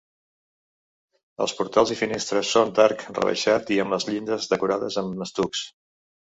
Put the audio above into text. Els portals i finestres són d'arc rebaixat i amb les llindes decorades amb estucs.